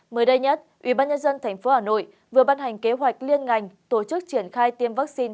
mới đây nhất ubnd tp hà nội vừa ban hành kế hoạch liên ngành tổ chức triển khai tiêm vaccine